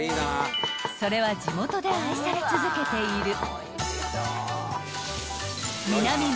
［それは地元で愛され続けている］